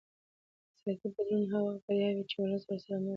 سیاسي بدلون هغه وخت بریالی وي چې ولس ورسره مل وي